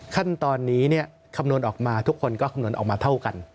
ขั้นตอนนี้คำนวณออกมาทุกคนก็คำนวณออกมาเท่ากัน